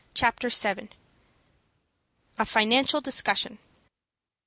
CHAPTER VII. A FINANCIAL DISCUSSION.